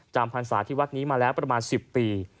พรรษาที่วัดนี้มาแล้วประมาณ๑๐ปี